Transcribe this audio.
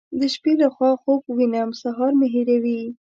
د شپې له خوا خوب وینم سهار مې هېروي.